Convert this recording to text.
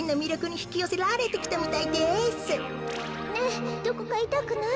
ねえどこかいたくない？